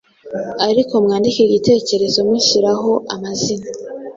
ariko mwandike igitekerezo mushyiraho amazina